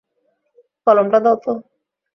কলমটা দাও তো।